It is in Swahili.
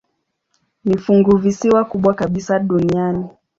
Ni funguvisiwa kubwa kabisa duniani.